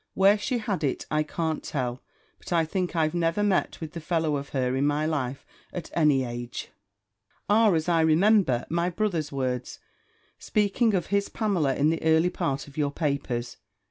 _ "Where she had it, I can't tell I but I think I never met with the fellow of her in my life, at any age;" are, as I remember, my brother's words, speaking of his Pamela in the early part of your papers.